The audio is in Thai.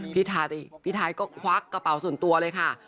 พี่ไทยก็ควักกระเป๋าส่วนตัวเลยค่ะ